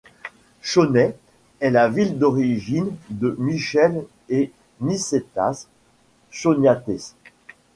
Chônai est la ville d’origine de Michel et Nicétas Choniatès.